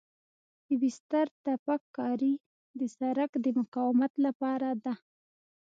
د بستر تپک کاري د سرک د مقاومت لپاره ده